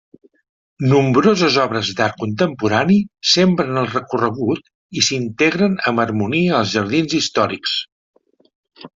Nombroses obres d'art contemporani sembren el recorregut i s'integren amb harmonia als jardins històrics.